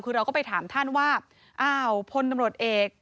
คือเราก็ไปถามท่านว่าอ้าวพลตำรวจเอก